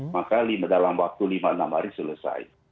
maka dalam waktu lima enam hari selesai